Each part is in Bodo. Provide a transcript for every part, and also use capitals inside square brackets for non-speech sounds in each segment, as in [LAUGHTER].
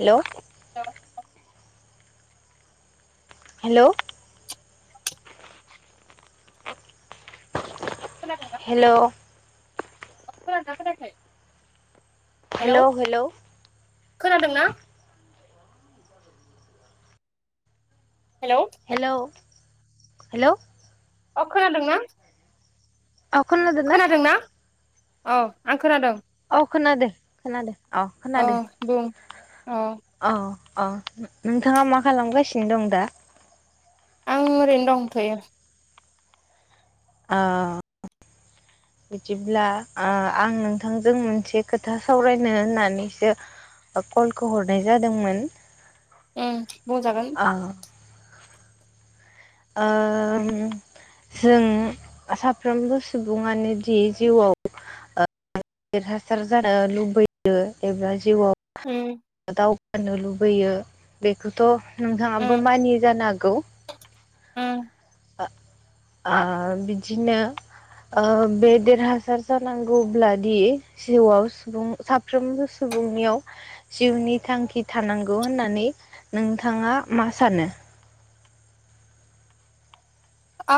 हेल' औ हेल' हेल' अ खोनादोंना खोनायाखै हेलौ हेल' हेल' खोनादोंना हेलौ हेल' अ खोनादोंना औ खोनादोना खोनादोंना औ आं खोनादों औ खोनादो खोनादो औ खोनादो औ औ अ नोंथाङा मा खालामगासिनो दं दा आं ओरैनो दंथ'यो ओ बिदिब्ला ओ आं नोंथांजों मोनसे खोथा सावरायनो होननानैसो कलखौ हरनाय जादोंमोन। उम बुंजागोन ओम जों साफ्रोमबो सुबुङानो दि जिउआव देरहासार जानो लुबैयो एबा जिउआव उम दाव गानो लुबैयो बेखौथ' नोंथाङाबो उम मानियो‌ जानो हागौ उम ओ ओ बिदिनो ओ बे देरहासार जानांगौब्लादि जिउआव सुबुं साफ्रोमबो सु बुंनियाव जिउनि थांखि थानांगौ होननानै नोंथाङा मा सानो आ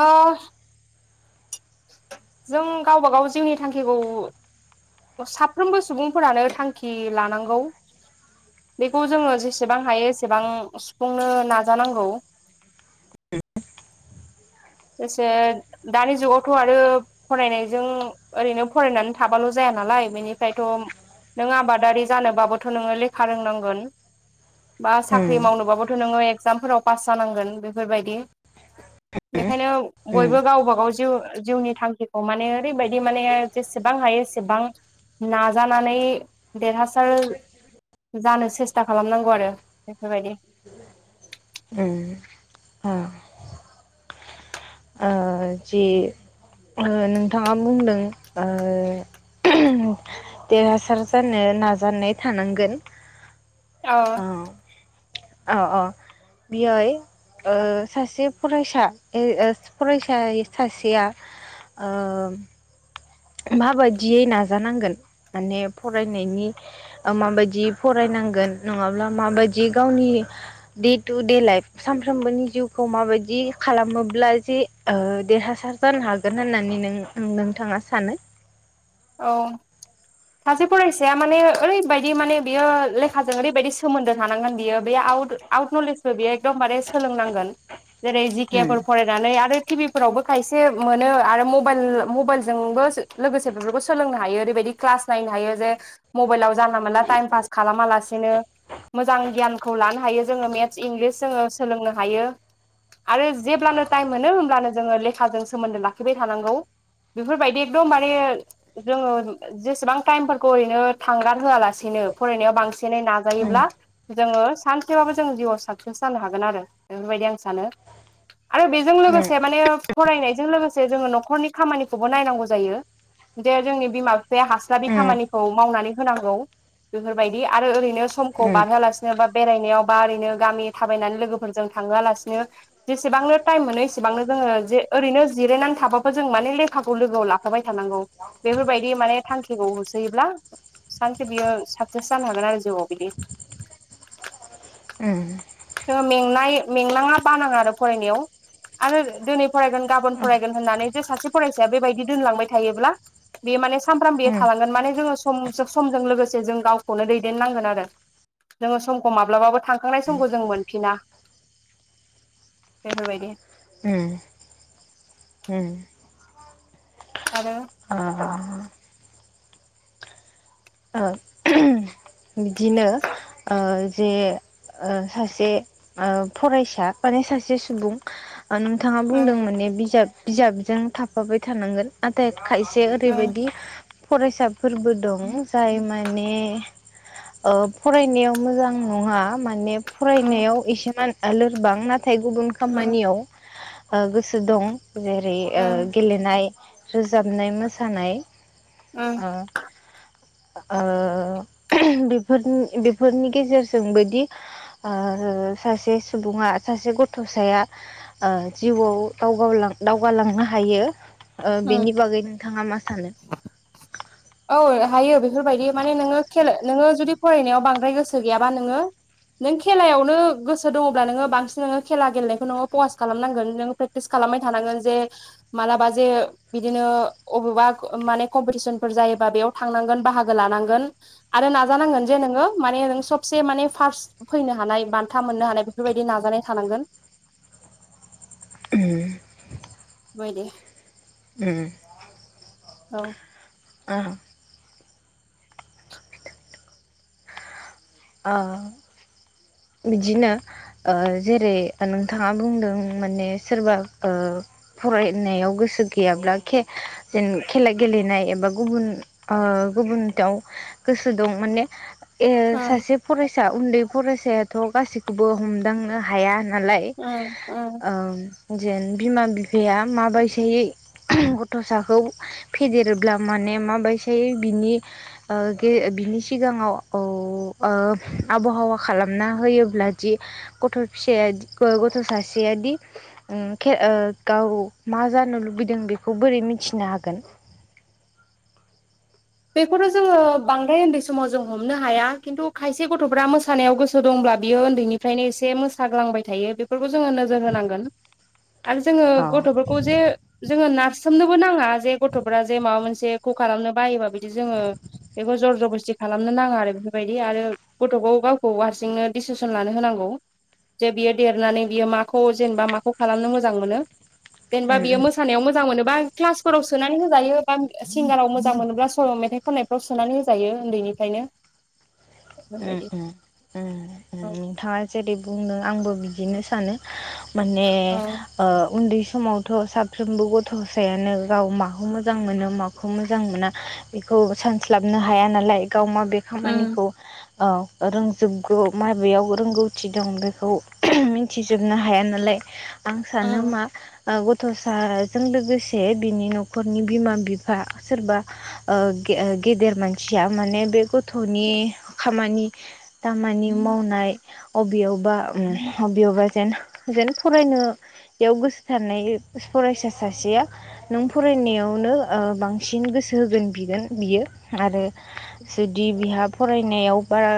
जों गावबा गाव जिउनि थांखिखौ साफ्रोमबो सुबुंफोरानो थांखि लानांगौ बेखौ जोङो जेसेबां हायो एसेबां सुफुंनो नाजा नांगौ। [INAUDIBLE] एसे दानि जुगावथ' आरो फरायनायजों ओरैनो फरायनानै थाबाल' जाया नालाय बेनिफ्रायथ' नों आबादारि जानोबाबोथ' नोङो लेखा रोंनांगोन। बा उम साख्रि मावनोबाबोथ' नोङो एगजामफोराव पास जानांगोन बेफोरबायदि बेखायनो उम बयबो गावबागाव जिउ जिउनि थांखिखौ माने ओरै बायदि माने जेसेबां हायो ए सेबां नाजानानै देरहासार जानो सेस्था खालामनांगौ आरो बेफोरबायदि उम ओ ओ जि नोंथाङा बुंदों ओ देरहासार जानो नाजानाय थानांगोन औ औ औ बिअय ओ सासे फरायसा इ अ फराय राय सासेया ओ माबायदियै नाजानांगोन माने फरायनायनि माबायदि फराय नांगोन नंङाब्ला माबादि गावनि दे तु दे लाइफ सानफ्रोमबोनि जिवखौ माबादि दि खालामोब्ला जि ओ देरहासार जानो हागोन होननानै नों नोंथाङा सानो औ सासे फरायसाया माने ओरैबायदि माने बियो लेखाजों ओरैबायदि सोमोन्दो थानांगोन बियो बे आ [UNINTELLIGIBLE] आउत नलेजबो बियो एकदमबारे सोलोंनांगोन जेरै जि केे उम फोर फरायनानै आरो टिभि फोरावबो खायसे मोनो आरो मबाइल- मबाइलजोंबो लोगोसे बेफोरखौ सोलोंनो हायो । बेबायदि क्लास नायनो हायो जे मबाइलाव जानला मोनला टाइम पास खालामा लासेनो मोजां गियानखौ लानो हायो जोङो मेथ्स इंलिस जोङो सोलोंनो हायो‌। आरो जेब्लानो टाइम मोनो होमब्लानो जोङो लेखाजों सोमोन्दो लाखिबाय थानांगौ बेफोरबायदि एकदम माने जोङो जेसेबां टाइमफोरखौ ओरैनो थांगार होआलासेनो फरायनायाव बांसिनै नाजायोब्ला जोङो सानसेबाबो जों जिउआव साक्सेस जानो हागोन आरो बेफोरबायदि आं सानो। आरो बेजों उम लोगोसे माने फरायनायजों लोगोस से जोङो न'खरनि खामानिखौबो नायनांगौ जायो दे जोंनि बिमा बिफाया हास्लाबि उम खामानिखौ मावनानै होनांगौ बेफोरबायदि आरो ओरैनो समखौ उम बारहोलासिनो बा बेरायनायाव बा ओरैनो गामि थाबायनानै लोगोफोरजों थांहोलासिनो जेसेबांनो टाइम मोनो एसेबांनो जोङो जे ओरैनो जिरायनानै थाबाबो जों माने लेखाखौ लोगोआव लाखाबाय थानांगौ बेफोरबायदि माने थांखिखौ होसोयोब्ला सानसे बियो साक्सेस जानो हागोन आरो जिउआव बिदि। उम जोङो मेंनाय मेंनाङा बानाङा आरो फरायनायाव। आरो दिनै फरायगोन गाबोन फरायगोन होननानै जे सासे फरायसाया बेबायदि दोनलांबाय थायोब्ला बेयो माने सानफ्रामबो बियो उम थालांगोन माने जोङो सम-समजों लोगोसे जों गावखौनो दैदेननांगोन आरो जोङो समखौ माब्लाबाबो थांखांनाय समखौ जों मोनफिना बेफोरबायदि। उम उम आरो ओ ओ बिदिनो ओ जे ओ सासे ओ फरायसा माने सासे सुबुं नोंथाङा बुंदों उम माने बिजाब बिजाबजों थाफाबाय थानांगोन नाथाय खायसे उम ओरैबायाददि फरायसाफोरबो दं जाय माने ओ फरायनायाव मोजां नङा माने फरायनायाव एसेमान बां नाथाय गुबुन उम खामानियाव ओ गोसो दं जेरै ओ उम गेलेनाय रोजाबनाय मोसानाय उम ओ ओ बेफोरनि बेफोरनि गेजेरजोंबोदि ओ सासे सुबुङा सासे गथ'साया ओ जिउआव दावगालांनो हायो। ओ उम बेनि बागै नोंथाङा मा सानो? औ हायो बेफोरबायदि माने नोङो खेल नोङो जुदि फरायनायाव बांद्राय गोसो गैयाबा नोङो नों खेलायावनो गोसो दङब्ला नोङो बांसिन नोङो खेला गेलेनायखौ नोङो पखास खालामनांगोन नोङो प्रेक्टिस खालाम खालामबाय थानांगोन जे मालाबा जे बिदिनो अबेबा माने कम्पिटिसनफोर जायोबा बेयाव थांनांगोन बाहागो लानांगोन आ आरो नाजानांगोन जे नोङो माने नों सबसे माने फार्स्ट फैनो हानाय बान्था मोननो हानाय बेफोरबायदि नाजानाय थानांगोन। उम बायदि उम औ ओ ओ बिदिनो ओ जेरै नोंथाङा बुंदों माने सोरबा ओ फरायनायाव गोसो गैयाब्ला खे जे खेला गेलेनाय एबा गुबुन गुबुनाव गोसो दं माने ए उम सासे फरायसा उन्दै फरायसायाथ' गासिखौबो हमदांनो हाया नालाय उम उम ओ जेन बिमा बिफाया माबायदियै गथ'साखौ फेदेरोब्ला माने माबायसाय बिनि ओ गे बिनि सिगाङाव औ आबहावा खालामना होयोब्ला जि गथ' फिसाया गथ' सासेया बिदि गाव मा जानो लुबैदों बेखौ बोरै मिथिनो हागोन बेखौथ' जोङो बांद्राय उन्दै समाव जों हमनो हाया खिन्थु खायसे गथ'फ्रा मोसानायाव गोसो दंब बियो उन्दैनिफ्रायनो एसे मोसाग्लांबाय थायो बे बेफोरखौ जोङो नोजोर होनांगोन आरो जोङो गथ'फोरखौ जे जोङो नार्स सोमनोबो नाङा जे गथ'फ्रा जे माबा मोनसे ख खालामनो बायोबा बिदि जोङो बेखौ जर जबस्थि खालामनो नाङा आरो बेफोरबायदि आरो गथ'खौ गावखौ हारसिंनो डिसिसन लानो होनांगौ जे बियो देरनानै बियो माखौ जेनेबा माखौ खालामनो मोजां मोनो जेनेबा उम बियो मोसानायाव मोजां मोनोबा क्लासफोराव सोनानै होजायो बा सिंगाराव मोजां मोनोब्ला सल' मेथाइ खननायफ्राव सोनानै होजायो उन्दैनिफ्रायनो बेफोरबायदि नोंथाङा जेरै बुंनो आंबो बिदिनो सानो माने औ उन्दै समावथ' साफ्रोमबो गथ'सायानो गाव माखौ मोजां मोनो माखौ मोजां मोना बेखौ खौ सानस्लाबनो हाया नालाय गाव माबे खामानिखौ औ रोंजोबगौ माबेयाव रोंगौथि दं बेखौ मिथिजोबनो हाया नालाय आं सान मा गथ'साजों लोगोसे बिनि न'खरनि बिमा- बिफा सोरबा गेदेर मानसिया माने बेखौ गथ'नि खामानि -दामानि मावनाय बबेयाव माबियाव जेन जेन फरायनायाव गोसो थानाय फरायसा सासेया नों फराय फरायनायावनो बांसिन गोसो होगोन बिगोन बियो आरो जुदि बिहा फराय फरायनायाव बारा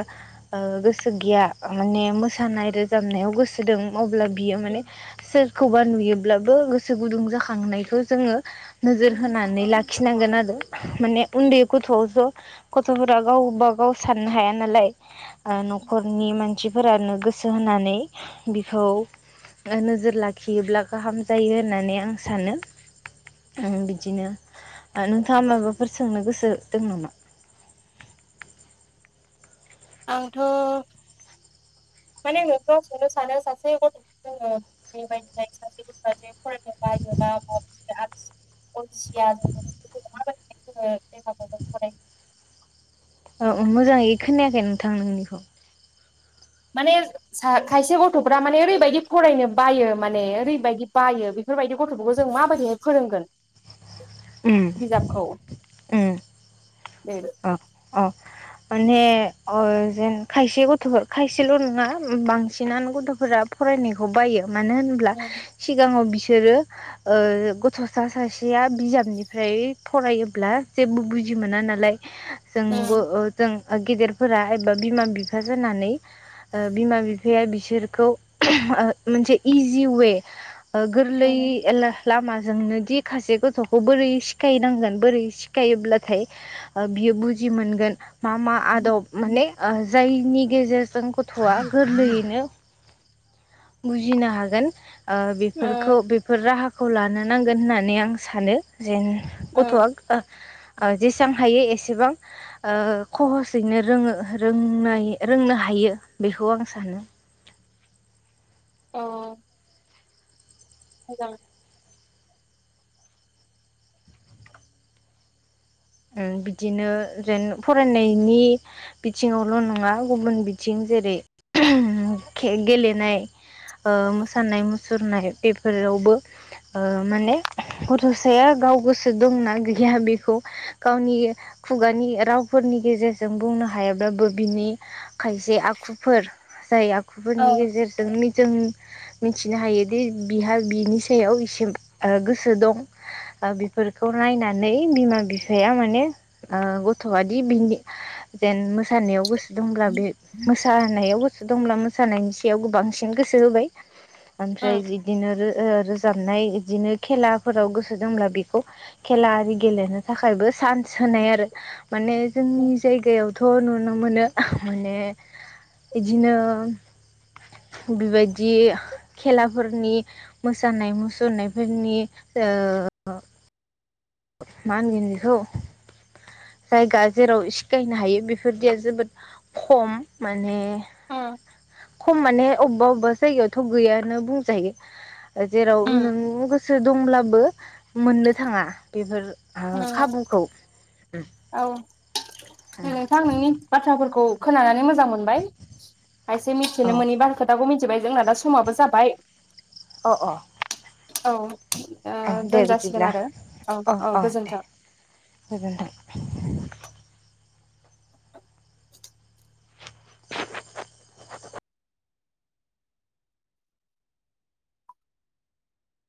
गोसो गैया माने मोसानाय रोजाबनायाव गोसो दं अब्ला बियो माने सोर सोरखौबा नुयोब्लाबो गोसो गुदुं जाखांनायखौ जोङो नोजोर होनानै लाखिनांगोन आरो माने उन्दै गथ'आवस गथ'फोरा गाव ब गाव साननो हाया नालाय न'खरनि मानसिफोरानो गोसो होनानै बिखौ नोजोर लाखियोब्ला गाहाम जायो होननानै आं सानो बिदिनो नोंथाङा माबाफोर सोंनो गोसो दं नामा आंथ' मानेथ सोंनो सानो सासे गथ'खौ जोङो बेबायदिहाय सासे गथ'आ जे फरायनो बायो बा अलसिया जों जोङो फ औ मोजाङै खोनायाखै नोंथां नोंनिखौ माने खायसे गथ'फ्रा माने ओरैबायदि फरायनो बायो माने ओरैबायदि बायो बे बेफोरबायदि गथ'फोरखौ जों माबायदिहाय फोरोंगोन। उम बिजाबखौ उम देदो। अ [INAUDIBLE] माने अर जेन खायसे गथ'फोर खायसेल' नङा बांसिनानो गथ'फोरा फर-। फरायनायखौ बायो मानो होनब्ला उम सिगाङाव बिसो--। बिसोरो ओ गथ'सा सासेया बिजाबनिफ्राय फरायोब्ला जेबो बुज--। बिदि मोना नालाय जोंबो उम ओ जों। ओ गेदेरफोरा एबा बिमा- बिफा जानानै। ओ बिमा - बिफाया बिसोरखौ मोनसे इजि वे। ओ गोरलै उम एला। लामाजोंनो दि खासे गथ'खौ बोरै सिखायनांगोन बोरै सिखायोब्लाथाय ओ बियो बुज--। जिमोनगोन मा - मा आदब उम माने ओ। जायनि गेजेरजों गथ'आ गोरलैयैनो। बुजिनो हागोन ओ बेफोरखौ बेफोर राहाख--। खौ लानो नांगोन होननानै आं सानो जेन गथ'आ ओ। ओ जेसां हायो एसेबां ओ खहसयैनो रोङो रों-नाय रोंनो हायो। बियो बेखौ आं सानो। अ। मोजां। बिदिनो जेन फरायनायनि बिथिङावल' नङा गुबुन बिथिं। जेरै खे गेलेनाय। ओ मोसानाय मुसुरनाय बेफोरावबो ओ माने गथ'साया। गाव गोसो दंना गैया बेखौ। गावनि खुगानि रावफोरनि गेजेरजों बुंनो हायाब्लाबो बिनि। खायसे आखुफोर जाय औ आखुफोरनि गेजेरजोंनो जों। मिथिनो हायोदि बिहा बिनि सायाव इसे गोसो दं ओ बिफोर--। खौ नायनानै बिमा बिफाया माने ओ गथ'आदि बिनि जेन मोस--। मोसानायाव गोसो दंब्ला बे मोसानायाव गोसो दंब्ला। सानायनि सायावबो बांसिन गोसो होबाय ओमफ्राय उम बिदिनोरो। ओ रोजाबनाय बिदिनो खेलाफोराव गोसो दंब्ला बेखौ खेला आरि गेलेनो। थाखायबो चान्स होनाय आरो माने जोंनि उम जायगायावथ' नुन--। नु मोनो मोनो दिनों माने बिदिनो। बेबायदि। खेलाफोरनि मोसानाय मुसुरनायफोरनि ओ। मान होनगोन बिखौ। जायगा जेराव सिखायनो हायो बेफोरदिया जोबोद खम माने। खम माने अबेबा अबेबा जायगायावथ' गैयानो बुंजायो। जेराव उम नों गोसो दंब्लाबो मोननो थाङा। बेफोर उम ओ खाबुखौ। औ नोंथां नोंनि बाथ्राफोरखौ खोनानानै मोज--। मोजां मोनबाय खायसे मिथिनो औ मोनि बा खोथाखौ मिथिबाय जोंना दा समाबो जाबाय। अ अ। औ ओ अ दे दोनजासिगोन बिदिब्ला आरो औ औ गोजोन्थों। गोेजोन्थों।